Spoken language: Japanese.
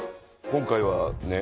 今回はね